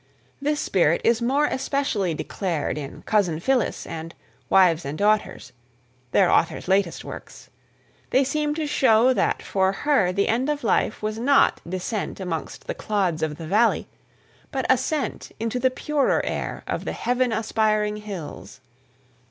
This spirit is more especially declared in Cousin Phillis and Wives and Daughters their author's latest works; they seem to show that for her the end of life was not descent amongst the clods of the valley, but ascent into the purer air of the heaven aspiring hills.